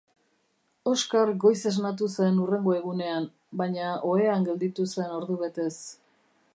Oskar goiz esnatu zen hurrengo egunean, baina ohean gelditu zen ordubetez.